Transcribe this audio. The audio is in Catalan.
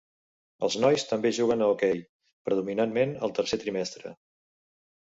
Els nois també juguen a hoquei predominantment al tercer trimestre.